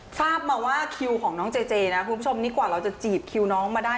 ทราบมาว่าคิวของน้องเจเจนะคุณผู้ชมนี่กว่าเราจะจีบคิวน้องมาได้